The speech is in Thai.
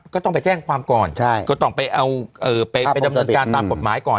ก็ต้องไปแจ้งความก่อนก็ต้องไปเอาไปดำเนินการตามกฎหมายก่อน